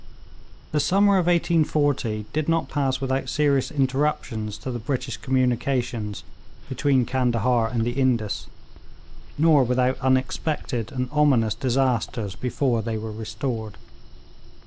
The summer of 1840 did not pass without serious interruptions to the British communications between Candahar and the Indus; nor without unexpected and ominous disasters before they were restored.